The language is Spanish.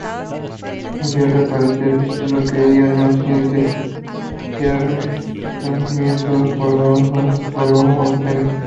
Elvira aparece, diciendo que ella no siente ya resentimiento por Don Giovanni, sólo pena.